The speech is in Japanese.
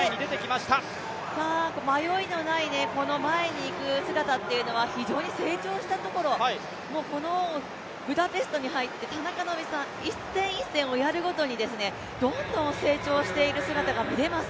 迷いのない前のいく姿というのは非常に成長したところ、このブダペストに入って、田中希実さん、一戦一戦をやるごとにどんどん成長している姿が見れます。